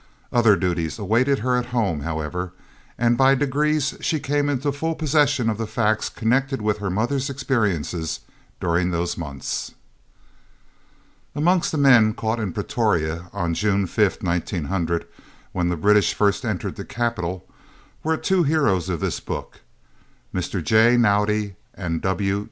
Other duties awaited her at home, however, and by degrees she came into full possession of the facts connected with her mother's experiences during those months. Amongst the men caught in Pretoria on June 5th, 1900, when the British first entered the capital, were two heroes of this book, Mr. J. Naudé and W.